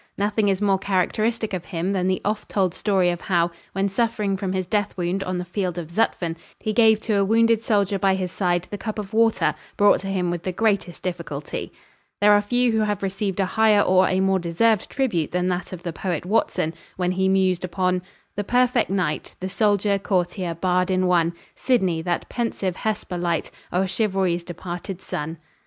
Nothing is more characteristic of him than the oft told story of how, when suffering from his death wound on the field of Zutphen, he gave to a wounded soldier by his side the cup of water brought to him with the greatest difficulty. There are few who have received a higher or a more deserved tribute than that of the poet Watson, when he mused upon "the perfect knight, The soldier, courtier, bard in one, Sidney, that pensive Hesper light O'er Chivalry's departed Sun."